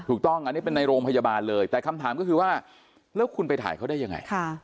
ถูกต้องอันนี้เป็นในโรงพยาบาลเลยแต่คำถามก็คือว่าแล้วคุณไปถ่ายเขาได้ยังไง